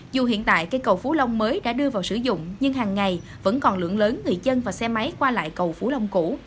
dù hiện tại cây cầu phú long mới đã đưa vào sử dụng nhưng hàng ngày vẫn còn lượng lớn người dân và xe máy qua lại cầu phú long cũ